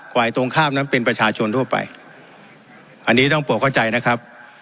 ตรงข้ามนั้นเป็นประชาชนทั่วไปอันนี้ต้องโปรดเข้าใจนะครับ